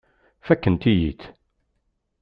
Fakkent-iyi-t.